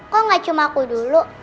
kok gak cuma aku dulu